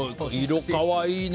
色、可愛いね。